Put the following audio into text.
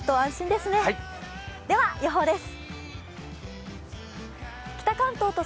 では、予報です。